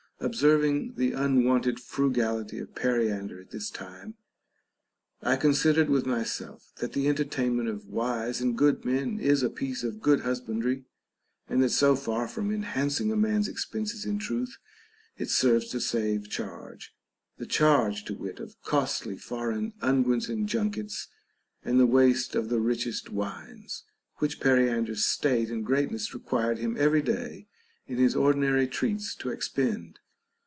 Observing the un wonted frugality of Periander at this time, I considered with mvself that the entertainment of wise and wood men is a piece of good husbandry, and that so far from enhanc ing a man's expenses in truth it serves to save charge, the charge (to wit) of costly foreign unguents and junkets, and the waste of the richest .wines, which Periander's state and greatness required him every day in his ordinary treats to expend.